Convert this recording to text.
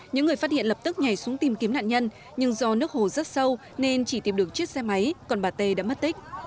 những người phát hiện lập tức nhảy xuống tìm kiếm nạn nhân nhưng do nước hồ rất sâu nên chỉ tìm được chiếc xe máy còn bà tê đã mất tích